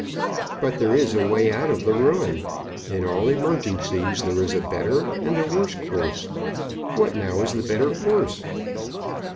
"But there is a way out of the ruin. In all emergencies there is a better and a worse course. What, now, is the better course?"